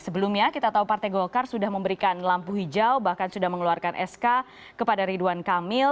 sebelumnya kita tahu partai golkar sudah memberikan lampu hijau bahkan sudah mengeluarkan sk kepada ridwan kamil